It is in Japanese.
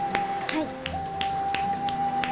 はい。